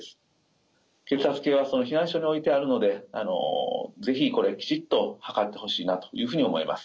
血圧計は避難所に置いてあるので是非これきちっと測ってほしいなというふうに思います。